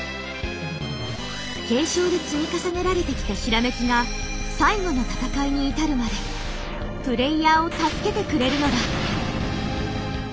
継承で積み重ねられてきた閃きが最後の戦いに至るまでプレイヤーを助けてくれるのだ。